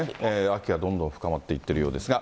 秋がどんどん深まっていっているようですね。